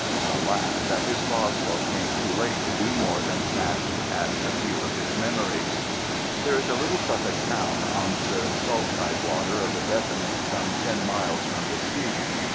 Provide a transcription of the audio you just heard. Alas that his Boswell came too late to do more than snatch at a few of his memories. There is a little Suffolk town on the salt tidewater of the Deben, some ten miles from the sea.